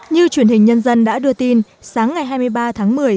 như truyền hình nhân dân đã đưa tin sáng ngày hai mươi ba tháng một mươi